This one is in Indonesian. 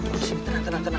disini tenang tenang tenang